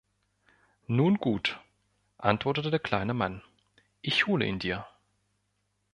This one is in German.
„Nun gut“, antwortete der kleine Mann, „ich hole ihn dir.“